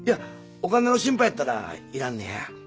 お金の心配やったらいらんねや。